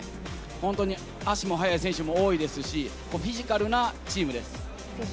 本当に足も速い選手も多いですし、フィジカルなチームです。